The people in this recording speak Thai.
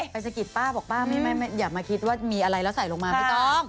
สะกิดป้าบอกป้าไม่อย่ามาคิดว่ามีอะไรแล้วใส่ลงมาไม่ต้อง